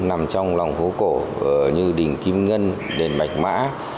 nằm trong lòng hố cổ như đình kim ngân đền bạch mã